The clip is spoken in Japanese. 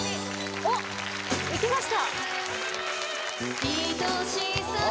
おっいきました